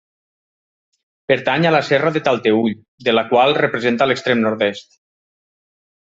Pertany a la Serra de Talteüll, de la qual representa l'extrem nord-est.